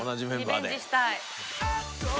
リベンジしたい。